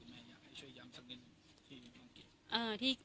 แม่อยากให้ช่วยย้ำสักนิดที่ไม่ได้กิน